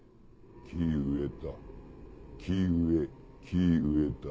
木植えた木植え木植えた。